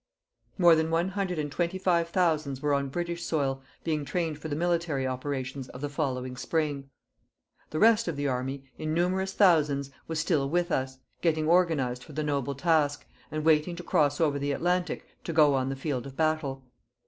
More than one hundred and twenty five thousands were on British soil, being trained for the military operations of the following spring. The rest of the army, in numerous thousands, was still with us, getting organized for the noble task, and waiting to cross over the Atlantic to go on the field of battle.